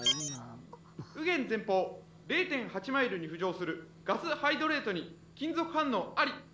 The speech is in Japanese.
「右舷前方０．８マイルに浮上するガスハイドレートに金属反応あり！」。